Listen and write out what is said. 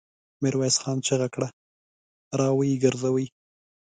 ميرويس خان چيغه کړه! را ويې ګرځوئ!